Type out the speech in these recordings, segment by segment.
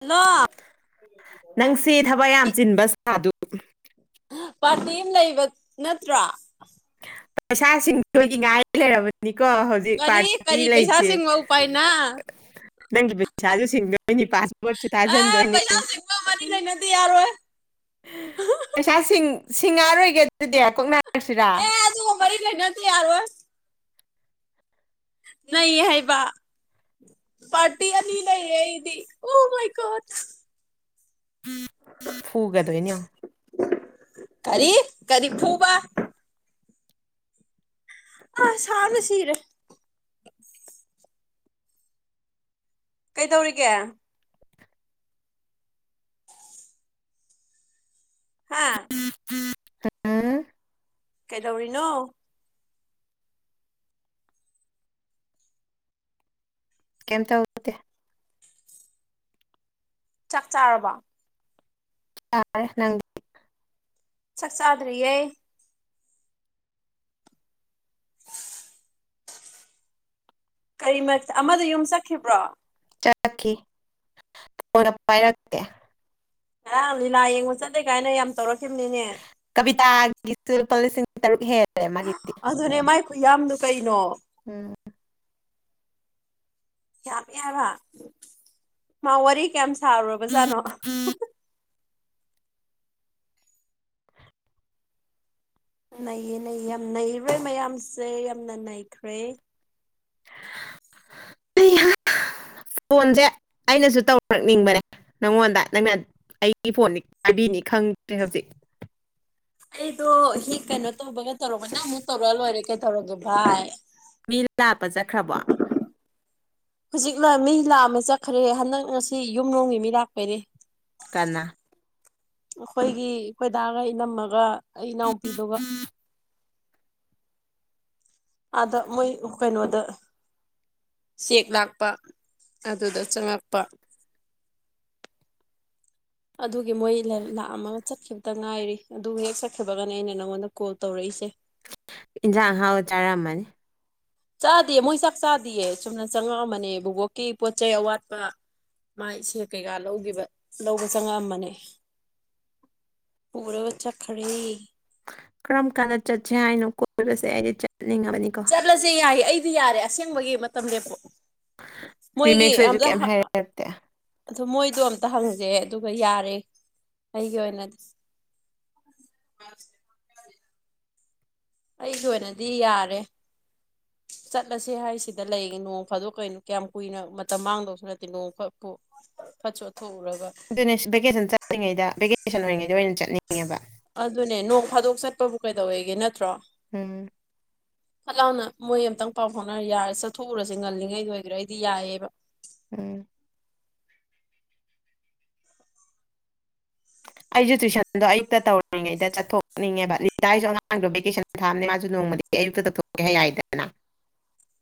hello ꯅꯪꯁꯤ ꯊꯕꯛ ꯌꯥꯝ ꯁꯤ ꯆꯤꯟꯕ ꯁꯥꯗꯨ ꯄꯥꯔꯇꯤ ꯑꯃ ꯂꯩꯕ ꯅꯠꯇ꯭ꯔꯥ ꯄꯩꯁꯥꯁꯤꯡꯗꯣꯏꯒꯤ ꯉꯥꯏ ꯂꯩꯔꯕꯅꯤ ꯀꯣ ꯍꯧꯖꯤꯛ ꯀꯔꯤ ꯄꯥꯔꯇꯤ ꯀꯔꯤ ꯄꯩꯁꯥ ꯂꯩꯇꯦ ꯁꯤꯡꯕ ꯎꯄꯥꯏꯅ ꯅꯪꯒꯤ ꯄꯩꯁꯥꯁꯨ ꯁꯤꯡꯗꯣꯏꯅꯤ ꯄꯥꯁꯄꯣꯠꯁꯨ ꯑꯦ ꯇꯥꯖꯟꯗꯣꯏꯅꯤ ꯄꯩꯁꯥ ꯁꯤꯡꯕ ꯃꯔꯤ ꯂꯩꯅꯗꯦ ꯌꯥꯔꯣꯏ ꯄꯩꯁꯥ ꯁꯤꯡ ꯁꯤꯡꯉꯛꯑꯔꯣꯏꯒꯦ ꯑꯗꯨꯗꯤ ꯀꯣꯛꯅꯔꯛꯁꯤꯔꯥ ꯀꯩꯅ ꯇ ꯌꯥꯔ ꯑꯣꯏ ꯅ ꯍꯥꯏꯕ ꯄꯥꯔꯇꯤ ꯑꯅꯤ ꯂꯩꯌꯦ ꯏꯗꯤ ꯎ ꯃꯥꯏꯀꯣ ꯍꯨꯒꯗꯅꯣ ꯀꯔꯤ ꯀꯔꯤ ꯐꯨꯕ ꯑ ꯁꯗ ꯁꯤꯤꯔꯦ ꯀꯩꯗꯧꯔꯤꯒꯦ ꯍꯥꯥ ꯍꯥ ꯀꯩꯗꯧꯔꯤꯅꯣ ꯀꯦꯝ ꯊꯧ ꯆꯥꯛ ꯆꯥꯔꯕꫭ ꯆꯥꯔꯦ ꯅꯪꯗꯤ ꯆꯥꯛ ꯆꯥꯗꯔꯤꯌꯦ ꯀꯔꯤ ꯃꯠ ꯑꯃꯗꫭ ꯌꯨꯝ ꯆꯠꯈꯤꯕ꯭ꫪꫭ ꯆꯛꯈꯤ ꯀꫭꯟꯒꯥ ꯄꯥꯏꯔꯛꯇ‌ꯦ ꯑꯥꯎ ꯂꯤꯂꯥ ꯌꯦꯡꯕ ꯆꯠꯂ‌ꯦ ꯀꯥꯏꯅ ꯌꯥꯝ ꯇꯧꯔꯛ ꯀꯕꯤꯇꯥꯒꯤꯁꯨ ꯂꯨꯄꯥ ꯂꯤꯁꯤꯡ ꯇꯔꯨꯛ ꯍꯦꯟ ꯑꯗꯨꯅꯦ ꯃꯥꯏ ꯈꯨꯌꯥꯝꯗꫭ ꯀꯩꯅꯣ ꯎꯝ ꯌꯥꯝꯃ‌ꯦ ꯍꯥꯏꯕ ꯃꯥ ꯋꯥꯔꯤ ꯀꯌꯥꯝ ꯁꯥꯔꯨꯔꯕꯖꯥꯠꯅꯣ ꯅꯩꯌꯦ ꯅꯩꯌꯦ ꯌꯥꯝ ꯅꯩꯔ‌ꯦ ꯃꯌꯥꯝꯁꯦ ꯌꯥꯝꯅ ꯅꯩꯈ꯭ꯔꯦ [unintelligible] ꯐꯣꯟꯖ‌ꯦ ꯑꯩꯅꯁꯨ ꯇꯧꯔꯛꯅꯤꯡꯕꯅꯦ ꯅꯪꯉꯣꯟꯗ ꯅꯪꯅ ꯑꯩꯒꯤ ꯐꯣꯟꯅꯤ ꯄꯥꯏꯕꯤꯅꯤ ꯈꯪꯗ꯭ꯔꯦ ꯍꯧꯖꯤꯛ ꯑꯩꯗꯣ ꯍꯤꯛ ꯀꯩꯅꯣ ꯇꯧꯕꯒ ꯇꯧꯔꯛꯄꯥꯗ ꯑꯃꯨꯛ ꯇꯧꯔꯛ ꯑꯥ ꯂꯣꯏꯔꯦ ꯀꯩꯗꯧꯔꯒꯦ ꯚꯥꯏ ꯃꯤ ꯂꯥꯞꯄ ꯆꯠꯈ꯭ꯔꯕꯣ ꯍꯧꯖꯤꯛꯅ ꯃꯤ ꯂꯥꯛꯑꯝꯃꯦ ꯆꯠꯈ꯭ꯔꯦ ꯍꯟꯗꯛ ꯉꯁꯤ ꯌꯨꯝ ꯗꫭꯡꯒꯤ ꯃꯤ ꯂꯥꯛꯄꯩꯅꯦ ꯀꯅꯥ ꯑꯩꯈꯣꯏꯒꯤ ꯑꯩꯈꯣꯏ ꯗꯥꯒ ꯏꯅꯝꯃꯒ ꯑꯩ ꯏꯅꯥꯎꯄꯤꯗꯨꯒ ꯑꯗ ꯃꯣꯏ ꯀꯩꯅꫭꯗ ꯆꯦꯛ ꯂꯥꯛꯄ ꯑꯗꯨꯗ ꯆꯪꯉꯛꯄ ꯑꯗꯨꯒꯤ ꯃꯣꯏ ꯂꯥ ꯂꯥꯛꯑꯝꯃꯒ ꯆꯠꯈꯤꯕꯇ ꯉꯥꯏꯔꯤ ꯑꯗꯨ ꯍꯦꯛ ꯆꯠꯈꯤꯕꯒꯅꯦ ꯑꯩꯅ ꯅꯪꯉꯣꯟꯗ ꯀꯣꯜ ꯇꯧꯔꯛꯏ ꯁꯦ ꯏꯟꯖꯥꯡ ꯑꯍꯥꯎ ꯆꯔꯃꯅꯤ ꯆꯥꯗꯦ ꯃꯣꯏ ꯆꯥꯛ ꯆꯥꯗꯤꯌꯦ ꯆꯨꯝꯅ ꯆꯪꯉꯛꯑꯝꯕꯅꯦ ꯚꯣꯕꯣꯛꯀꯤ ꯄꯣꯠ ꯆꯩ ꯑꯋꯥꯠꯄ ꯃꯥ ꯏꯁ‌ꯦ ꯀꯩꯀꯥ ꯂꯧꯒꯤꯕ ꯂꯧꯕ ꯆꯪꯉꯛꯑꯝꯕꯅꯦ ꯄꯨꯔꯒ ꯆꯠꯈꫪ‌ꯦ ꯀꯔꯝ ꯀꯥꯟꯗ ꯆꯠꯁꯦ ꯍꯥꯏꯅꯣ ꯀꯣꯏꯕꯁꯦ ꯑꯩꯗꯤ ꯆꯠꯅꯤꯡꯉꯕꯅꯤꯀꯣ ꯆꯠꯂꯁꯦ ꯌꯥꯏꯌꯦ ꯑꯩꯗꯤ ꯌꯥꯔꯦ ꯑꯁꯦꯡꯕꯒꯤ ꯃꯇꯝꯂ‌ꯦꯞꯄꫭ ꯃꯣꯏꯒꯤ ꯔꯤꯃꯦꯛꯁ ꯍꯣꯏꯁꯨ ꯑꯝꯇ ꯀꯩꯝ ꯍꯥ ꯍꯥꯏꯔꯛꯇꯦ ꯑꯗꫭ ꯃꯣꯏꯗꯣ ꯑꯝꯇ ꯍꯪꯖ‍ꯦ ꯑꯗꯨꯒ ꯌꯥꯔꯦ ꯑꯩꯒꯤ ꯑꯣꯏꯅꯗꯤ [unintelligible] ꯑꯩꯒꯤ ꯑꯣꯏꯅꯗꯤ ꯌꯥꯔꯦ ꯆꯠꯂꯁꯦ ꯍꯥꯏꯁꯤꯗ ꯂꯩꯒ‌ꯦ ꯅꫭꯡ ꯐꯥꯗꯣꯛ ꯀꯩꯅꯣ ꯀꯌꯥꯝ ꯀꯨꯏꯅ ꯃꯇꯝ ꯃꯥꯡꯗꯧꯁꯨ ꯅꯠꯇꯦ ꯅꯣꯡ ꯈꯛꯄꯨ ꯐꯠꯆꯣ ꯕ‌ꯦꯅ‍ꯦꯁ ꯚꯦꯀꯦꯁꯟ ꯆꯠꯂꯤꯉꯩꯗ ꯚꯦꯀꯦꯁꯟ ꯑꯣꯏꯔꯤꯉꯩꯗ ꯑꯣꯏꯅ ꯆꯠꯅꯤꯡꯉꯦꯕ ꯑꯗꯨꯅꯦ ꯅꯣꯡ ꯐꯥꯗꯣꯛ ꯆꯠꯄꯕꯨ ꯀꯩꯗꯧꯋꯦꯒꯦ ꯅꯠꯇ꯭ꯔꯣ ꯎꯝ ꯐꯠ ꯂꯥꯎꯅ ꯃꯣꯏ ꯑꯃꯝꯇꯪ ꯄꯥꯎ ꯐꯥꯎꯅꯔ ꯌꯥꯔꯦ ꯆꯠꯊꯣꯛꯎꯔꯁꯦ ꯉꯜꯂꯤꯉꯩꯗ ꯑꯣꯏꯒꯦꯔꯥ ꯑꯩꯗꯤ ꯌꯥꯏꯌ‌ꯦꯕ ꯎꯝ [unintelligible] ꯑꯩꯁꯨ ꯇꯨꯏꯁꯟꯗꯣ ꯑꯌꯨꯛꯇ ꯇꯧꯔꯤꯉꯩꯗ ꯆꯠꯊꯣꯛꯅꯤꯡꯉꯦꯕ ꯂꯤꯇꯥꯏꯖꯁꯨ ꯑꯉꯥꯡꯗꯣ ꯚꯦꯀꯦꯁꯟ ꯊꯥꯕꯅꯦ ꯃꯥꯁꯨ ꯅꯣꯡꯃꯗꯤ ꯑꯌꯨꯛꯇ ꯇꯧꯊꯣꯛꯀꯦ ꯍꯥꯏ ꯌꯥꯏꯗꯅ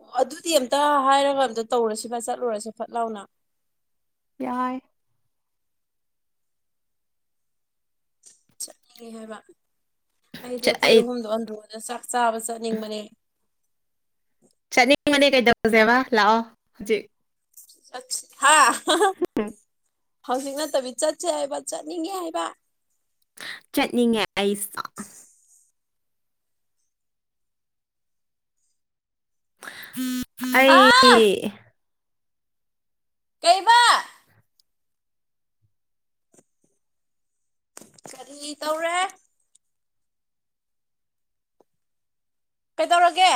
ꯑꯣ ꯑꯗꯨꯗꯤ ꯑꯝꯇ ꯍꯥꯏꯔꯒ ꯑꯝꯇ ꯇꯧꯔꯁꯤꯕ ꯆꯠꯂꯨꯔꯁꯤ ꯐꯠ ꯂꯥꯎꯅ ꯑꯥꯏ ꯆꯠꯅꯤꯡꯉꯦ ꯍꯥꯏꯕ ꯑꯩꯗꯤ ꯑꯩꯈꯣꯏ ꯑꯩ ꯑꯍꯨꯝꯗꯣ ꯑꯟꯗ꯭ꯔꯣꯗ ꯆꯥꯛ ꯆꯥꯕ ꯆꯠꯅꯤꯡꯕꯅꯦ ꯆꯅꯤꯡꯕꯅ‌ꯦ ꯀꯩꯗꯧꯖ‌ꯦꯕ ꯂꯥꯛꯑꫭ ꯍꯧꯖꯤꯛ ꯑꯁ ꯍꯥꯥ ꯍꯨꯞ ꯎꯝ ꯍꯧꯖꯤꯛ ꯅꯠꯇꯕꯤ ꯆꯠꯁꯦ ꯍꯥꯏꯕ ꯆꯠꯅꯤꯡꯉꯦ ꯍꯥꯏꯕ ꯆꯠꯅꯤꯡꯉꯦ ꯑꯩꯁ ꯑꯥ ꯑꯩ ꯀꯩꯕꯥ ꯀꯔꯤ ꯇꯧꯔꯦ ꯀꯩꯗꯧꯔꯒꯦ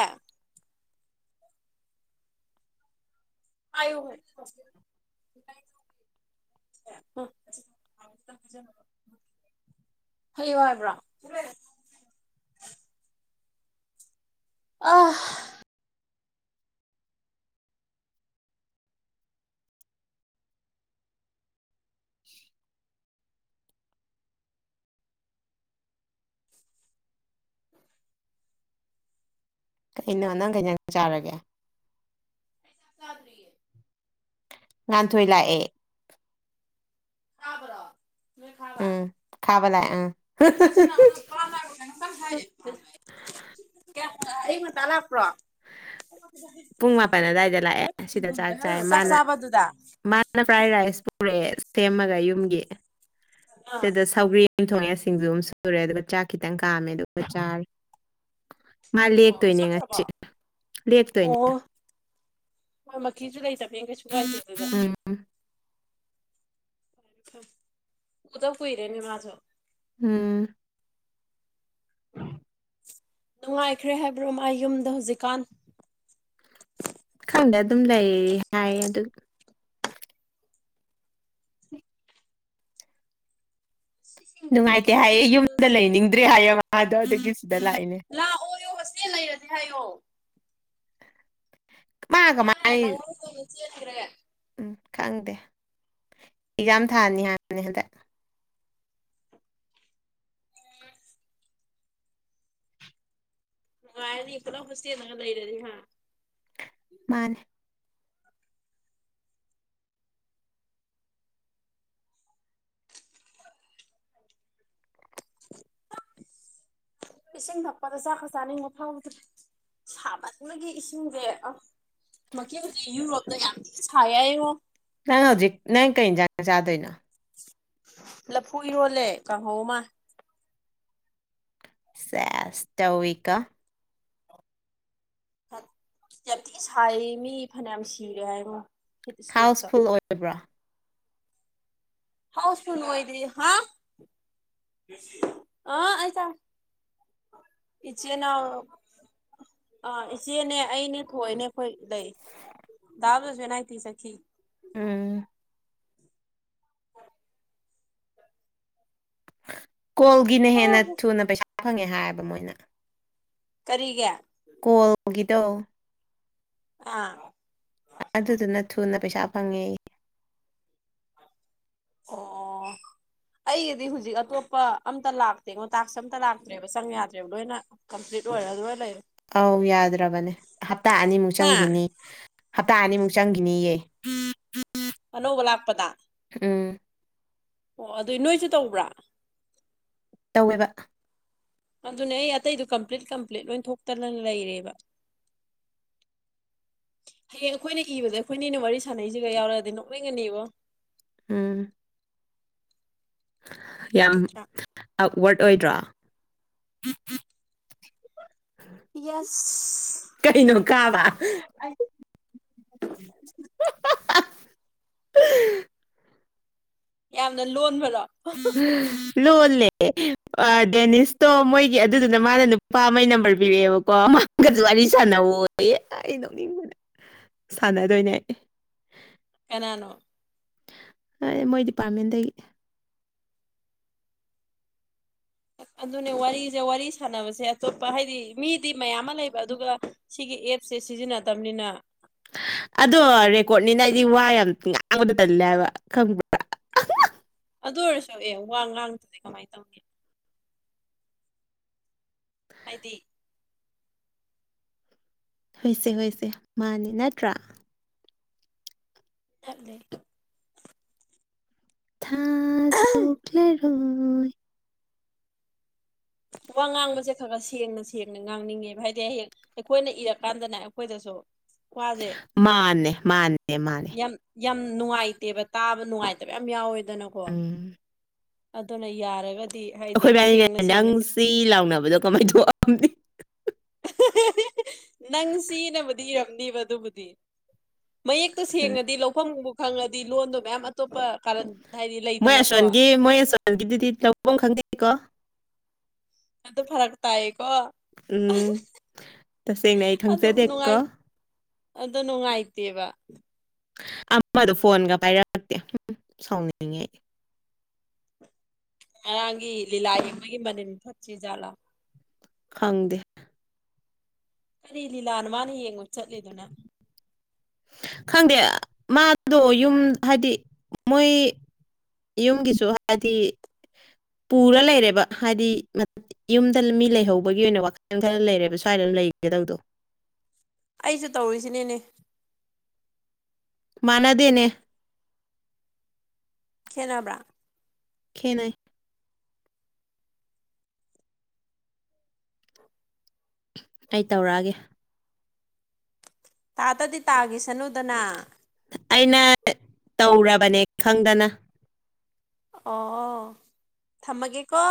ꯑꯌꯨ ꯍꯥꯏ [inaudible] ꯍꯌꯦꯡ ꯍꯥꯏꯕ꯭ꯔꯥ ꯑ [unintelligible] ꯀꯩꯅꯣ ꯅꯪ ꯀꯩ ꯅꯪ ꯆꯥꯔꯒꯦ ꯁꯥ ꯁꯥꯗ ꯉꯥꯟꯊꯣꯏ ꯂꯥꯛꯑꯦ ꯍꯥꯥꯕ꯭ꯔꯣ ꯎꯝ ꯈꯕ ꯂꯦ ꯍꯔ ꯀꯃ ꯇꯥꯂꯥ ꯑꯄ꯭ꯔꯣ ꯄꯨꯡ ꯃꯥꯄꯜ ꯑꯗꯨꯋꯥꯏꯗ ꯂꯥꯛꯑꯦ ꯁꯤꯗ ꯆꯥꯛ ꯆꯥꯏ ꯆꯥꯛ ꯃꯥꯅ ꯆꯥꯕꯗꯨꯗ ꯃꯥꯅ ꯐ꯭ꯔꯥꯏ ꯔꯥꯏꯁ ꯍꯧꯔꯛꯑꯦ ꯁꯦꯝꯃꯒ ꯌꯨꯝꯒꯤ ꯑꯥ ꯑꯗꯨꯗ ꯁꯧꯒ꯭ꯔꯤꯟ ꯌꯨꯝ ꯊꯣꯡꯉꯦ ꯁꯤꯡꯖ ꯑꯗꯨꯝ ꯁꯨꯔꯦ ꯑꯗꯨꯒ ꯆꯥꯛ ꯈꯤꯇꯪ ꯀꯥꯝꯃꯦ ꯑꯗꯨꯒ ꯆꯥ ꯃꯥ ꯑꯣ ꯂꯦꯛꯇꯣꯏꯅꯦ ꯆꯠꯈ꯭ꯔꯕꯣ ꯉꯁꯤ ꯂꯦꯛꯇꯣꯏꯅꯦ ꯑꯣ ꯍꯣꯏ ꯃꯤꯁꯨ ꯂꯩꯇꯕꯅꯤꯅ ꯀꯩꯁꯨ ꯀꯥꯏꯗꯦ ꯑꯗꯨꯗ ꯎꯝ ꯎꯗ ꯀꯏꯔꯦꯅꯤ ꯃꯥꯁꯨ ꯎꯝ ꯅꯨꯡꯉꯥꯏꯈ꯭ꯔꯦ ꯍꯥꯏꯕ꯭ꯔꯣ ꯃꯥ ꯌꯨꯝꯗ ꯍꯧꯖꯤꯛꯀꯥꯟ ꯪꯗ ꯑꯗꯨꯝ ꯂꯩ ꯍꯥꯏ ꯑꯗꯨ ꯏꯁꯤꯡꯁꯨ ꯅꯨꯡꯉꯥꯏꯇꯦ ꯊꯛꯄꯗ ꯍꯥꯏꯌꯦꯦ ꯊꯛꯄꯗ ꯌꯨꯝꯗ ꯂꯩꯅꯤꯡꯗ꯭ꯔꯦ ꯍꯥꯏꯌꯦ ꯃꯉꯥꯗꯣ ꯑꯗꯨꯒꯤ ꯁꯤꯗ ꯂꯥꯛꯏꯅꯦ ꯍꯥꯏꯣ ꯃꯥ ꯑ ꯀꯃꯥꯏ ꯅꯪꯅꯤ꯭ꯔꯦ ꯎꯝ ꯈꯪꯗꯦ ꯑꯦꯛꯖꯥꯝ ꯊꯥꯅꯤ ꯍꯥꯏꯕꯅꯤ ꯍꯟꯗꯛ ꯑ ꯉꯅꯤ ꯏꯂ ꯈꯨꯁꯤꯤꯉ ꯇꯩꯔꯗꯤ ꯍꯥ ꯃꯥꯅꯦ ꯏꯁꯤꯡ ꯊꯛꯄꯗ ꯆꯥꯛꯀ ꯆꯥꯅꯤꯡꯕ ꯐꯥꯎꯗ꯭ꯔꯦ ꯁꯥꯕꯗꯨꯒꯤ ꯏꯁꯤꯡꯁꯦ ꯑ ꯃꯈꯦꯜ ꯍꯧ ꯌꯨꯔꯣꯞꯇ ꯌꯥꯝ ꯊꯤꯅ ꯁꯥꯏ ꯌꯥꯏꯉꯣ ꯅꯪ ꯍꯧꯖꯤꯛ ꯅꯪ ꯀꯩꯖꯅ ꯆꯥꯗꯣꯏꯅ ꯂꯐꯨ ꯌꯣꯜꯂꯦ ꯀꯥꯡꯍꯧꯃ ꯁ ꯁꯧꯋ ꯀ ꯊꯤ ꯁꯥꯏ ꯃꯤ ꯐꯅꯌꯥꯝ ꯁꯤꯔꯦ ꯍꯥꯏꯃꯨ ꯍꯥꯎꯁ ꯐꯨꯜ ꯑꯣꯏꯕ꯭ꯔꯥ ꯍꯥꯎꯁ ꯐꯜ ꯑꯣꯏꯣꯏꯗ ꯍꯥ ꯑ ꯑꯩꯁ ꯏꯆꯦꯅ ꯑꯥ ꯏꯆꯦꯅꯦ ꯑꯩꯅꯦ ꯊꯣꯛꯑꯅꯦ ꯑꯩꯈꯣꯏ ꯂꯩ ꯗꯥꯥꯕꯗꯁꯨ ꯑꯦꯅꯥꯏꯇꯤ ꯆꯠꯈꯤ [unintelligible] ꯎꯝ ꯎ ꯀꯣꯜꯒꯤꯅ ꯍꯦꯟꯅ ꯊꯨꯅ ꯄꯩꯁꯥ ꯐꯪꯉꯦ ꯍꯥꯏꯕ ꯃꯣꯏꯅ ꯀꯔꯤꯒ ꯀꯣꯜꯒꯤꯗ ꯑꯥ ꯑꯗꯨꯗꯨꯅ ꯊꯨꯅ ꯄꯩꯁꯥ ꯐꯪꯉꯦ ꯑ ꯑꯩꯒꯤꯗꯤ ꯍꯧꯖꯤꯛ ꯑꯇꯣꯞꯄ ꯑꯝꯇ ꯂꯥꯛꯇꯦꯉꯣ ꯇꯥꯛꯁ ꯑꯝꯇ ꯂꯥꯛꯇ꯭ꯔꯦꯕ ꯆꯪ ꯌꯥꯗ꯭ꯔꯦꯕ ꯂꯣꯏꯅ ꯀꯝꯄ꯭ꯂꯤꯠ ꯑꯗꯨ ꯑꯗꯨꯣꯂꯔꯣ ꯑꯧ ꯌꯥꯗ꯭ꯔꯕꯅꯦ ꯍꯞꯇꯥ ꯑꯅꯤꯃꯨꯛ ꯍꯥ ꯆꯪꯈꯤꯅꯤ ꯍꯞꯇꯥ ꯑꯅꯤꯃꯨꯛ ꯆꯪꯈꯤꯅꯤꯌꯦ ꯑꯅꯧꯕ ꯂꯥꯛꯄꯗ ꯎꯝ ꯑꯣ ꯑꯗꯨꯏ ꯅꯣꯏꯁꯨ ꯇꯧꯕ꯭ꯔꯥ ꯇꯧꯋꯦꯕ ꯑꯗꯨꯅꯦ ꯑꯩ ꯑꯇꯩꯗꯣ ꯀꯝꯄ꯭ꯂꯤꯠ ꯀꯝꯄ꯭ꯂꯤꯠ ꯂꯣꯏ ꯊꯣꯛꯇꯅ ꯂꯩꯔꯦꯕ ꯍꯌꯦꯡ ꯑꯩꯈꯣꯏꯅ ꯏꯕꯁꯦ ꯑꯩꯈꯣꯏꯅꯦꯅ ꯋꯥꯔꯤ ꯁꯥꯟꯅꯩꯁꯤꯒ ꯌꯥꯎꯔꯛꯑꯗꯤ ꯅꯣꯛꯅꯤꯡꯅꯤꯕꯣ ꯎꯝ ꯌꯥꯝ ꯅꯠꯇ꯭ꯔꯥ ꯑꯞꯋꯥꯔꯗ ꯑꯣꯏꯗ꯭ꯔꯣ ꯌꯦꯁ ꯀꯩꯅꯣ ꯀꯥꯕ [inaudible] ꯌꯥꯝꯅ ꯂꯣꯟꯕꯗꯣ ꯎꯝ ꯂꯣꯏ ꯗꯦꯅꯤꯁꯇꯣ ꯃꯣꯏꯒꯤ ꯑꯗꯨꯗꯨꯅ ꯃꯥꯅ ꯅꯨꯄꯥ ꯑꯃꯒꯤꯩ ꯅꯝꯕꯔ ꯄꯤꯔꯛꯑꯦꯕꯀꯣ ꯋꯥꯔꯤ ꯁꯥꯟꯅꯧ ꯑꯩ ꯅꯣꯛꯅꯤꯡꯕꯅ ꯁꯥꯟꯅꯗꯣꯏꯅꯦ ꯀꯅꯥꯅꯣ ꯃꯣꯏ ꯗꯤꯄꯥꯔꯠꯃꯦꯟꯗꯒꯤ ꯑꯣ ꯑꯗꯨꯅꯦ ꯋꯥꯔꯤꯁꯦ ꯋꯥꯔꯤ ꯁꯅꯕꯁꯦ ꯑꯇꯣꯞꯄ ꯍꯥꯏꯗꯤ ꯃꯤꯗꯤ ꯃꯌꯥꯝ ꯑꯃ ꯂꯩꯕ ꯑꯗꯨꯒ ꯁꯤꯒꯤ ꯑꯦꯞꯁꯦ ꯁꯤꯖꯤꯟꯅꯠꯇꯕꯅꯤꯅ ꯑꯗꯣ ꯔꯦꯀꯣꯔꯠꯅꯤꯅ ꯑꯩꯗꯤ ꯋꯥ ꯌꯥꯝ ꯉꯥꯡꯕꯗ ꯇꯜꯂꯦ ꯍꯥꯏꯕ ꯈꯪꯕ꯭ꯔꯥ ꯑꯗꯨ ꯑꯣꯏꯔꯁꯨ ꯑꯦ ꯋꯥ ꯉꯥꯡꯗꯗꯤ ꯀꯃꯥꯏꯅ ꯇꯧꯅꯤ ꯍꯥꯏꯗꯤ ꯍꯣꯏꯏꯁꯦ ꯍꯣꯏꯏꯁꯦ ꯃꯥꯅꯦ ꯅꯠꯇ꯭ꯔꯥ ꯆꯂꯦ ꯊꯥ ꯂꯔꯣꯏ ꯋꯥ ꯉꯥꯡꯕꯁꯦ ꯈꯔ ꯈꯔ ꯁꯦꯡꯅ ꯁꯦꯡꯅ ꯉꯥꯡꯅꯤꯡꯉꯦꯕ ꯍꯥꯏꯗꯤ ꯍꯌꯦꯦꯛ ꯑꯩꯈꯣꯏꯅ ꯏꯔꯀꯥꯟꯗꯅ ꯑꯩꯈꯣꯏꯗꯁꯨ ꯋꯥꯁꯦ ꯃꯥꯅꯦ ꯃꯥꯅꯦ ꯃꯥꯅꯦ ꯌꯥꯝ ꯌꯥꯝ ꯅꯨꯡꯉꯥꯏꯇꯦꯕ ꯇꯥꯕ ꯅꯨꯡꯉꯥꯏꯇꯕ ꯌꯥꯝ ꯌꯥꯎꯋꯦꯗꯅꯀꯣ ꯎꯝ ꯑꯗꯨꯅ ꯌꯥꯔꯒꯗꯤ ꯍꯥꯏꯗꯤ ꯑꯩꯈꯣꯏꯕꯥꯅꯤꯅ ꯁꯦꯡꯅ ꯅꯪ ꯁꯦꯡꯅ ꯈꯤꯇꯪ ꯁꯤ ꯂꯥꯎꯅꯕꯗꯣ ꯀꯃꯥꯏꯅ ꯊꯣꯛꯑꯝꯅꯤ ꯅꯪ ꯁꯤꯅꯕꯨꯗꯤ ꯏꯔꯝꯅꯤꯕ ꯑꯗꯨꯕꯨꯗꯤ ꯃꯌꯦꯛꯇꯣ ꯁꯦꯡꯉꯗꯤ ꯂꯧꯐꯝꯕꯨ ꯈꯪꯉꯗꯤ ꯂꯣꯟꯗꯣ ꯃꯌꯥꯝ ꯑꯇꯣꯞꯄ ꯀꯥꯔꯟ ꯍꯥꯏꯗꯤ ꯃꯣꯏ ꯂꯩꯗꯅꯀꯣ ꯑꯁꯣꯟꯒꯤ ꯃꯣꯏ ꯑꯁꯣꯟꯒꯤꯗꯨꯗꯤ ꯂꯧꯐꯝ ꯈꯪꯗꯦꯀꯣ ꯑꯗꯨ ꯐꯔꯛ ꯇꯥꯏꯌꯦꯀꯣ ꯎꯝ ꯇꯁꯦꯡꯅ ꯑꯩ ꯑꯗꯨ ꯈꯪꯖꯗꯦꯀꯣ ꯅꯨꯡꯉꯥꯏ ꯑꯗꯨ ꯅꯨꯡꯉꯥꯏꯇꯦꯕ ꯑꯃꯗꯣ ꯐꯣꯟꯒ ꯄꯥꯏꯔꯛꯛꯇꯦ ꯁꯥꯎꯅꯤꯡꯉꯦ ꯑꯩ ꯉꯔꯥꯡꯒꯤ ꯂꯤꯂꯥ ꯌꯦꯡꯕꯒꯤ ꯃꯅꯤꯟ ꯐꯠꯁꯤ ꯖꯥꯠꯂꯥ ꯈꯪꯗꯦ ꯀꯔꯤ ꯂꯤꯂꯥꯅ ꯃꯥꯅ ꯌꯦꯡꯉꯨ ꯆꯠꯂꯤꯗꯨꯅ ꯈꯪꯗꯦ ꯃꯥꯗꯣ ꯌꯨꯝ ꯍꯥꯏꯗꯤ ꯃꯣꯏ ꯌꯨꯝꯒꯤꯁꯨ ꯍꯥꯏꯗꯤ ꯄꯨꯔ ꯂꯩꯔꯦꯕ ꯍꯥꯏꯗꯤ ꯌꯨꯝꯗ ꯃꯤ ꯂꯩꯍꯧꯕꯒꯤ ꯑꯣꯏꯅ ꯋꯥꯈꯜ ꯈꯔ ꯂꯩꯔꯦꯕ ꯁ꯭ꯋꯥꯏꯗ ꯂꯩꯒ ꯗꯧꯗꯨ ꯑꯩꯁꯨ ꯇꯧꯔꯤꯁꯤꯅꯤꯅꯦ ꯃꯅꯥꯗꯦꯅꯦ ꯈꯦꯠꯅꯕ꯭ꯔꯥ ꯈꯦꯅꯩ ꯑꯩ ꯇꯧꯔꯛꯑꯒꯦ ꯇꯥ ꯇꯗꯤ ꯇꯥꯒꯤꯁꯅꯨ ꯑꯩꯅ ꯇꯧꯔꯕꯅꯦ ꯈꯪꯗꯅ ꯑꯣꯑꯣ ꯊꯝꯃꯒꯦꯀꯣ